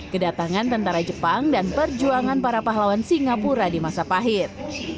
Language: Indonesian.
kedatangan tentara jepang dan perjuangan para pahlawan singapura di masa pahit